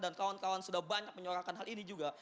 dan kawan kawan sudah banyak menyorakan hal ini juga